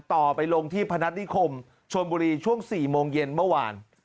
ต่อไปลงที่พนัฐนิคมชนบุรีช่วง๔โมงเย็นเมื่อวาน